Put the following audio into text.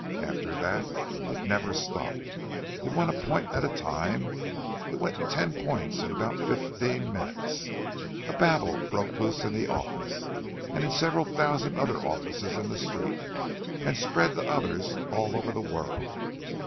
After that it never stopped. It went a point at a time; it went ten points in about fifteen minutes. And babel broke loose in the office, and in several thousand other offices in the street, and spread to others all over the world.